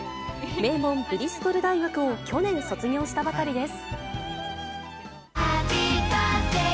名門、ブリストル大学を去年、卒業したばかりです。